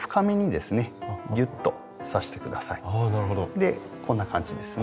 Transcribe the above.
でこんな感じですね。